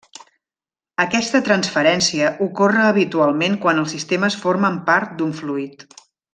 Aquesta transferència ocorre habitualment quan els sistemes formen part d'un fluid.